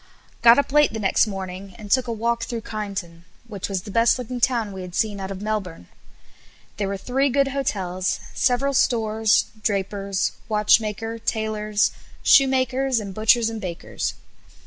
Got up late the next morning, and took a walk through Kyneton, which was the best looking town we had seen out of Melbourne. There were three good hotels, several stores, drapers, watchmaker, tailors, shoemakers, and butchers, and bakers.